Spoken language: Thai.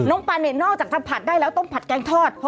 น้องเป็นนอกจากต้นผัดต้มผัดแกนถอด